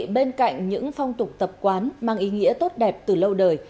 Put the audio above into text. bên cạnh những phong tục tập quán mang ý nghĩa tốt đẹp từ lâu đời